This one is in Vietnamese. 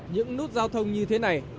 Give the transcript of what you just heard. những nút giao thông như thế này